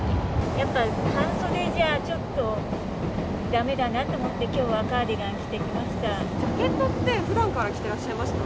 やっぱ半袖じゃちょっとだめだなと思って、きょうはカーディジャケットって、ふだんから着ていらっしゃいますか。